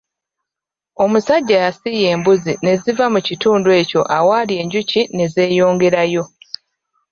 Omusajja yasiiya embuzi ne ziva mu kitundu ekyo awaali enjuki ne zeeyongerayo.